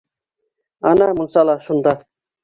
— Ана, мунсала, шунда.